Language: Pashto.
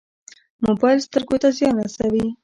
موبایل سترګو ته زیان رسوي